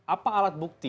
apa alat bukti